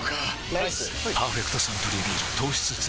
ライス「パーフェクトサントリービール糖質ゼロ」